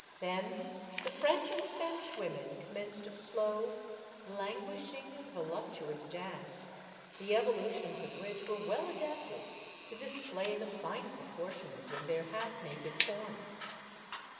Then the French and Spanish women commenced a slow, languishing, and voluptuous dance, the evolutions of which were well adapted to display the fine proportions of their half naked forms.